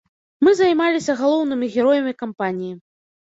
Мы займаліся галоўнымі героямі кампаніі.